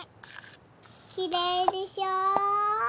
きれいでしょ？